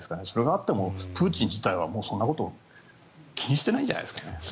それがあってもプーチン自体はそんなことを気にしていないんじゃないですかね。